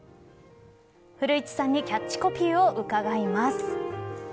古市さんにキャッチコピーを伺います。